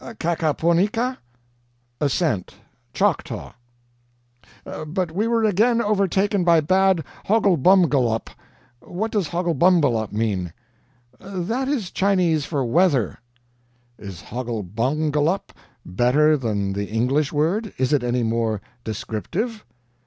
"'KAHKAHPONEEKA'?" "'Ascent.' Choctaw." "'But we were again overtaken by bad HOGGLEBUMGULLUP.' What does 'HOGGLEBUMGULLUP' mean?" "That is Chinese for 'weather.'" "Is 'HOGGLEBUMGULLUP' better than the English word? Is it any more descriptive?"